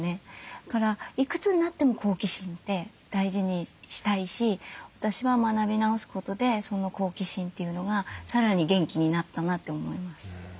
だからいくつになっても好奇心って大事にしたいし私は学び直すことでその好奇心というのがさらに元気になったなって思います。